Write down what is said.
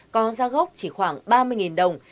có ra gốc chỉ khoảng ba mươi đồng